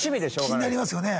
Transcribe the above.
気になりますよね？